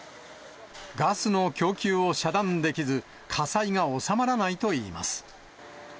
ガスの供給を遮断できず、火災が収まらないといいます。